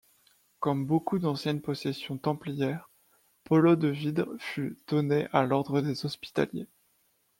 Comme beaucoup d'anciennes possessions templières, Palau-de-Vidre fut donnée à l'Ordre des Hospitaliers.